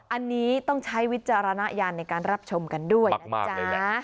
อันนี้ต้องใช้วิจารณญาณในการรับชมกันด้วยนะจ๊ะ